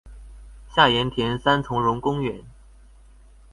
下鹽田三欉榕公園